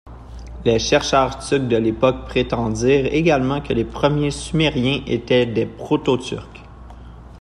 Les chercheurs turcs de l'époque prétendirent également que les premiers Sumériens étaient des proto-turcs.